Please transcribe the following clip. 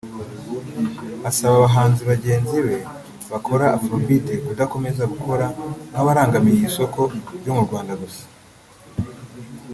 Asaba abahanzi bagenzi be bakora Afro-beat kudakomeza gukora nk’abarangamiye isoko ryo mu Rwanda gusa